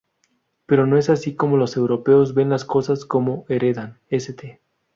Pero no es así como los europeos ven las cosas como heredan St.